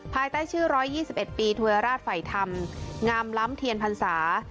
ภายใต้ชื่อ๑๒๑ปีธวยราชฝ่ายธรรมงามล้ำเทียนพรรษา